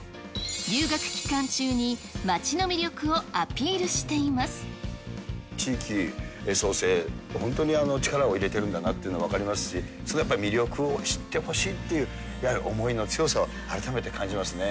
留学期間中に街の魅力をアピール地域創生に本当に力を入れてるんだなっていうのが分かりますし、やっぱり魅力を知ってほしいっていう、やはり思いの強さを改めて感じましたね。